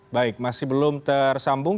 baik masih belum tersambung